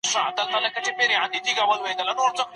ترانزیټي تړونونو د افغانستان اقتصادي موقعیت پیاوړی کړ.